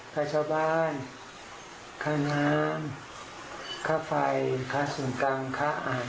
ค่าชาวบ้านค่าน้ำค่าไฟค่าส่วนกลางค่าอาหาร